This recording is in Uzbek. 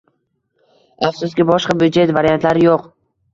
Afsuski, boshqa byudjet variantlari yo'q.